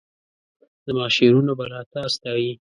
زماشعرونه به لا تا ستایي